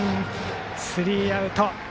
スリーアウト。